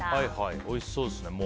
おいしそうですね、もう。